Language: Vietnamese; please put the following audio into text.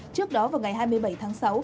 trước đó vào ngày hai mươi bảy tháng sáu